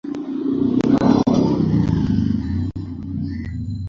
তখন থেকেই নির্বাচন অনুষ্ঠানের সম্ভাব্য দিন-তারিখ নিয়ে আকার-ইঙ্গিতে আভাস দেখা যেতে থাকে।